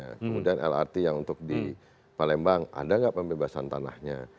kemudian lrt yang untuk di palembang ada nggak pembebasan tanahnya